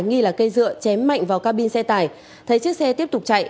nghi là cây dựa chém mạnh vào ca bin xe tải thấy chiếc xe tiếp tục chạy